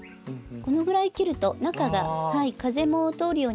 このぐらい切ると中が風も通るようになりますし。